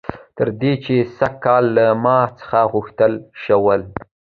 تر دې چې سږ کال له ما څخه وغوښتل شول